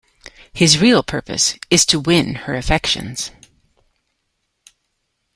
His real purpose is to win her affections.